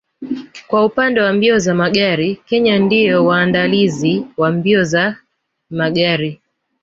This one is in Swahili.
Kwa upande wa mbio za magari Kenya ndio waandalizi wa mbio za magari